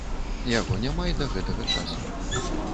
Яго няма й да гэтага часу.